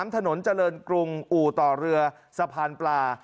ถนนเจริญกรุงอู่ต่อเรือสะพานปลา